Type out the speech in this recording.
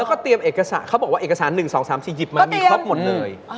แล้วก็เตรียมเอกสารเขาบอกว่าเอกสาร๑๒๓๔หยิบมามีครบหมดเลย